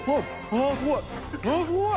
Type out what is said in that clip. あー、すごい。